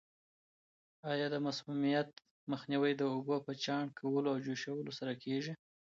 آیا د مسمومیت مخنیوی د اوبو په چاڼ کولو او جوشولو سره کیږي؟